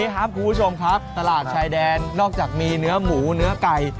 ครับคุณผู้ชมครับตลาดชายแดนนอกจากมีเนื้อหมูเนื้อไก่